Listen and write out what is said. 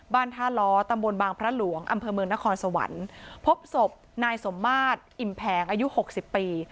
บ้านธาร์ตบบพระหลวงอเมนครสวรรค์พบสบนายสมมาตรอิ่มแผงอายุหกสิบปี